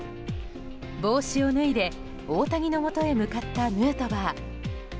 帽子を脱いで大谷のもとへ向かったヌートバー。